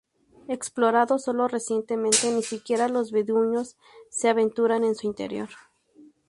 Explorado solo recientemente, ni siquiera los beduinos se aventuran en su interior.